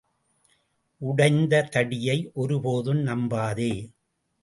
உடைந்த தடியை ஒரு போதும் நம்பாதே.